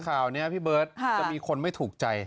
ข่าวนี้พี่เบิร์ตจะมีคนไม่ถูกใจ